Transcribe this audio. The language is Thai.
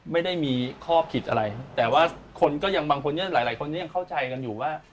ไม่ได้มีข้อผิดอะไรแต่ว่าคนก็ยังบางคนหลายคนยังเข้าใจกันอยู่ว่า